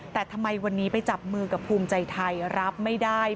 แต่ทำไมวันนี้ไปจับมือกับภูมิใจไทยรับไม่ได้